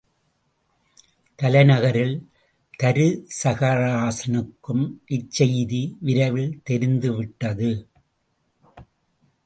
தலைநகரில் தருசகராசனுக்கும் இச் செய்தி விரைவில் தெரிந்துவிட்டது.